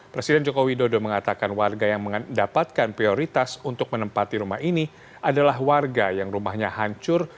presiden joko widodo mengatakan warga yang mendapatkan prioritas untuk menempati rumah ini adalah warga yang rumahnya hancur